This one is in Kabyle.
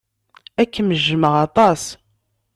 Ad kem-jjmeɣ aṭas.